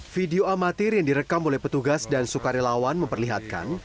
video amatir yang direkam oleh petugas dan sukarelawan memperlihatkan